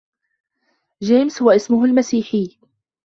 جيمس هو اسمه المسيحي.